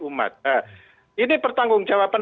umat ini pertanggung jawaban